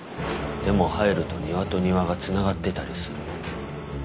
でも入ると庭と庭が繋がってたりする。